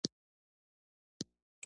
قدرت د طبیعت له ښکلا ډک دی.